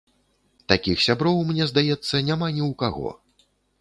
Такіх сяброў, мне здаецца, няма ні ў каго.